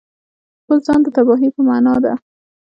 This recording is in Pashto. د خپل ځان د تباهي په معنا ده.